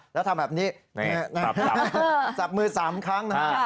แล้วทำแบบนี้จับมือ๓ครั้งนะฮะ